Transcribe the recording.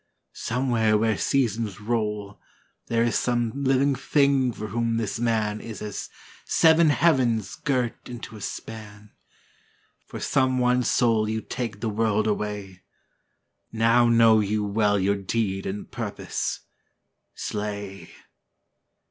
somewhere where seasons roll There is some living thing for whom this man Is as seven heavens girt into a span, For some one soul you take the world away Now know you well your deed and purpose. Slay!'